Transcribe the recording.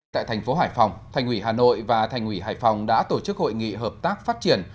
tại thành phố hải phòng thành ủy hà nội và thành ủy hải phòng đã tổ chức hội nghị hợp tác phát triển